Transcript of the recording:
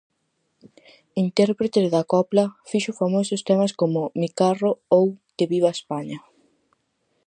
Intérprete da copla, fixo famosos temas como "Mi carro" ou "Que viva España".